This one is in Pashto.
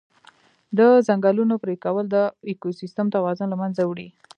د ځنګلونو پرېکول د اکوسیستم توازن له منځه وړي.